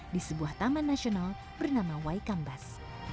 di sebuah taman nasional bernama waikambas